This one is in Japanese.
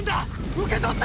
受け取って！